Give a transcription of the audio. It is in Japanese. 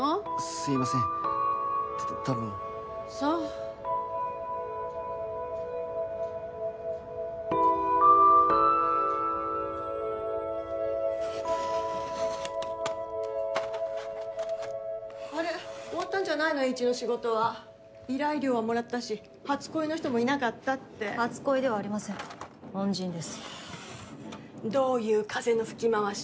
すいません多分そうあれ終わったんじゃないのエーイチの仕事は依頼料はもらったし初恋の人もいなかったって初恋ではありません恩人ですどういう風の吹き回し？